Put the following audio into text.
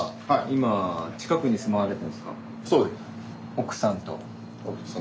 奥さんと。